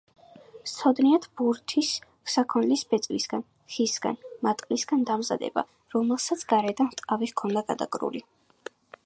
სცოდნიათ ბურთის საქონლის ბეწვისგან, ხისგან, მატყლისგან დამზადება, რომელსაც გარედან ტყავი ჰქონდა გადაკრული.